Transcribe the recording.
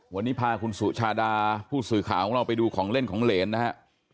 วันนี้พาคุณสุชาดาผู้สื่อข่าวของเราไปดูของเล่นของเหรนนะฮะ